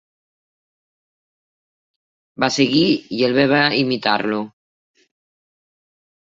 Va seguir i el bé va imitar-lo